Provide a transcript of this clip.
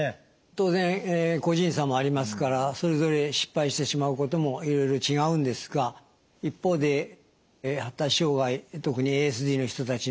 当然個人差もありますからそれぞれ失敗してしまうこともいろいろ違うんですが一方で発達障害特にＡＳＤの人たちの共通しているところもあります。